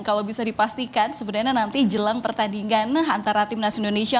kalau bisa dipastikan sebenarnya nanti jelang pertandingan antara timnas indonesia